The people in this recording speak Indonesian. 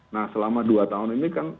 nah selama dua tahun ini kan